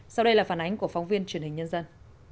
sau đây là phản ánh của phóng viên truyền hình nhân dân